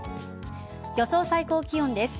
予想最高気温です。